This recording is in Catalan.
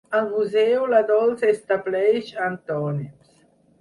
Al museu la Dols estableix antònims.